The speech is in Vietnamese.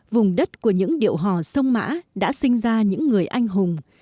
vùng đất của những điệu hò sông mã đã sinh ra những người anh hùng